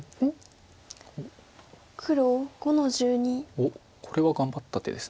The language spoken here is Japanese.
おっこれは頑張った手です。